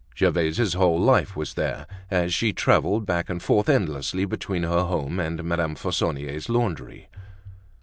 Gervaise's whole life was there, as she traveled back and forth endlessly between her home and Madame Fauconnier's laundry.